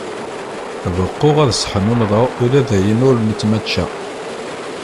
Beqquɣ ad seḥnunḍeɣ ula dayen ur nettmačča.